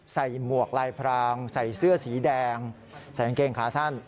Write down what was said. หมวกลายพรางใส่เสื้อสีแดงใส่กางเกงขาสั้น